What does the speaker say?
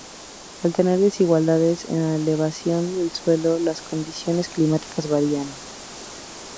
Al tener desigualdades en la elevación del suelo, las condiciones climáticas varían.